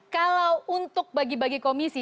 kalau untuk bagi bagi komisi